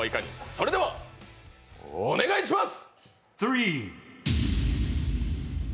それではお願いします！